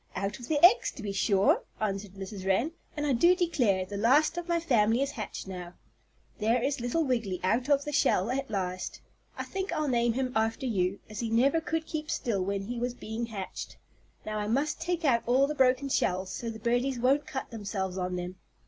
"Out of the eggs to be sure," answered Mrs. Wren. "And I do declare, the last of my family is hatched now. There is little Wiggily out of the shell at last. I think I'll name him after you, as he never could keep still when he was being hatched. Now I must take out all the broken shells so the birdies won't cut themselves on them."